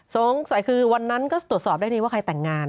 สงสัยคือวันนั้นก็ตรวจสอบได้ดีว่าใครแต่งงาน